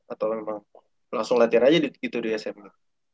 atau emang langsung latihan aja gitu di sma